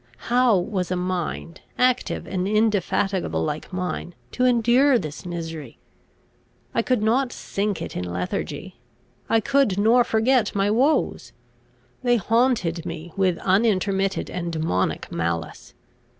How was a mind, active and indefatigable like mine, to endure this misery? I could not sink it in lethargy; I could nor forget my woes: they haunted me with unintermitted and demoniac malice.